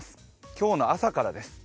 今日の朝からです。